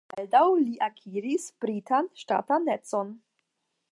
Baldaŭ li akiris britan ŝtatanecon.